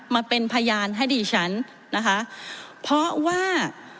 มาเป็นพยานให้ดีฉันนะคะเพราะว่า